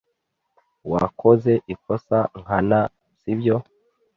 Wakoze ikosa nkana, sibyo?